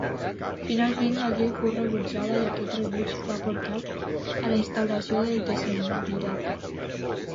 Finalment la llei fou rebutjada i aquest rebuig va portar a la instauració del decemvirat.